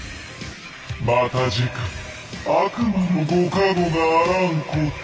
また次回悪魔のご加護があらんことを。